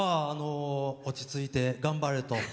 落ち着いて、頑張れと。